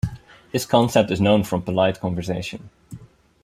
This concept is known from polite conversation.